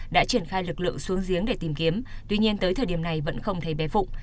đã triển khai lực lượng xuống giếng để tìm kiếm tuy nhiên tới thời điểm này vẫn không thấy bé phụng